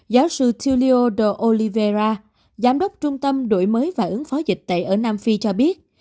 giáo sư tulio de oliveira giám đốc trung tâm đội mới và ứng phó dịch tệ ở nam phi cho biết